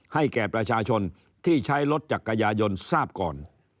ให้แก่ประชาชนที่ใช้รถจักรยายนทราบก่อน